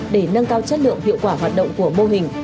để nâng cao chất lượng hiệu quả hoạt động của mô hình